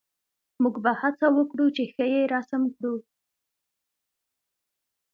موږ به هڅه وکړو چې ښه یې رسم کړو